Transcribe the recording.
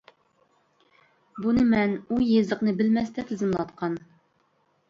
بۇنى مەن ئۇ يېزىقنى بىلمەستە تىزىملاتقان.